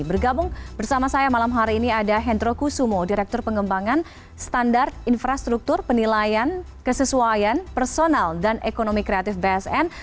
bergabung bersama saya malam hari ini ada hendro kusumo direktur pengembangan standar infrastruktur penilaian kesesuaian personal dan ekonomi kreatif bsn